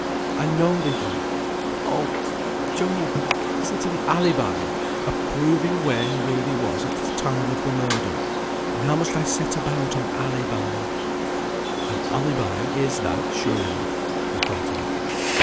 I know they do! But, oh! Job! isn't an alibi a proving where he really was at th' time of the murder; and how must I set about an alibi?" "An alibi is that, sure enough." He thought a little.